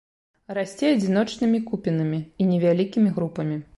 Расце адзіночнымі купінамі і невялікімі групамі.